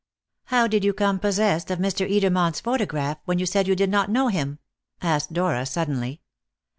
"How did you come possessed of Mr. Edermont's photograph, when you said you did not know him?" asked Dora suddenly.